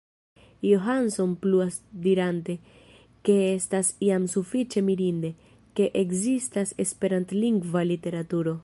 Johansson pluas dirante, ke estas jam sufiĉe mirinde, ke ekzistas esperantlingva literaturo.